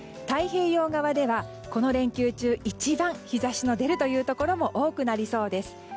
太平洋側ではこの連休中一番日差しの出るところも多くなりそうです。